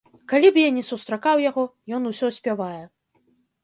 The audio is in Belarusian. Калі б я ні сустракаў яго, ён усё спявае.